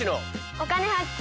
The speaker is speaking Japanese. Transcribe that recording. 「お金発見」。